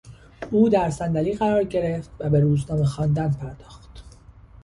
او در صندلی قرار گرفت و به روزنامه خواندن پرداخت.